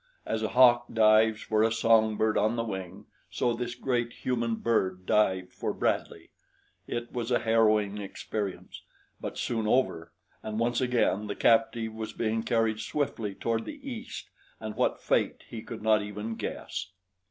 As a hawk dives for a songbird on the wing, so this great, human bird dived for Bradley. It was a harrowing experience, but soon over, and once again the captive was being carried swiftly toward the east and what fate he could not even guess.